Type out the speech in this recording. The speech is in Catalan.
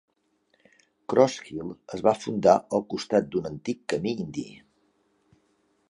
Cross Hill es va fundar al costat d'un antic camí indi.